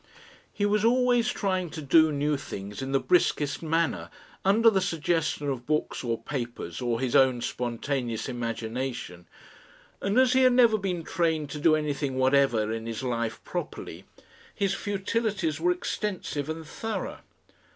He was always trying to do new things in the briskest manner, under the suggestion of books or papers or his own spontaneous imagination, and as he had never been trained to do anything whatever in his life properly, his futilities were extensive and thorough.